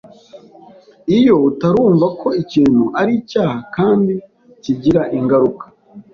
Iyo utarumva ko ikintu ari cyaha kandi kigira ingaruka,